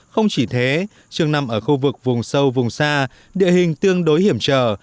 không chỉ thế trường nằm ở khu vực vùng sâu vùng xa địa hình tương đối hiểm trở